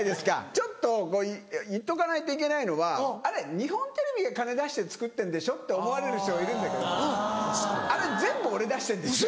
ちょっと言っとかないといけないのは「あれ日本テレビが金出して作ってんでしょ」って思われる人がいるんだけどあれ全部俺出してんですよ。